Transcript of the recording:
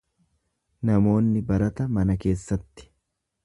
Namoonni barata mana keessatti.